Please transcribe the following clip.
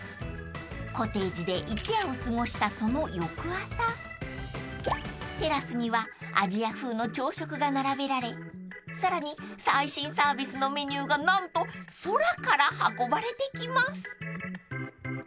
［コテージで一夜を過ごしたその翌朝テラスにはアジア風の朝食が並べられさらに最新サービスのメニューが何と空から運ばれてきます］